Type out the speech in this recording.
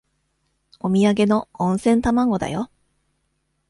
おみやげの温泉卵だよ。